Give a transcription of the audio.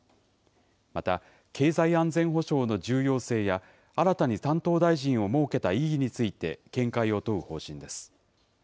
また経済安全保障の重要性や、新たに担当大臣を設けた意義について見解を問う方針です。